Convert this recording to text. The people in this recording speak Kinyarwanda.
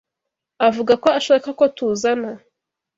Avuga ko ashaka ko tuzana.